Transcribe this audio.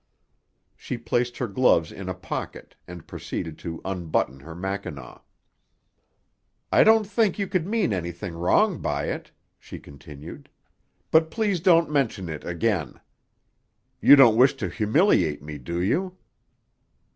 She placed her gloves in a pocket and proceeded to unbutton her mackinaw. "I don't think you could mean anything wrong by it," she continued. "But please don't mention it again. You don't wish to humiliate me, do you?"